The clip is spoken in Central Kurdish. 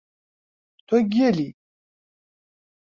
تۆ گێلی!